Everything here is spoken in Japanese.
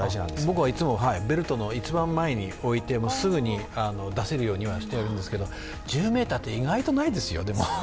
僕はいつもベルトの一番前に置いてすぐに出せるようにはしているんですけど１０ｍって、意外とないですよ。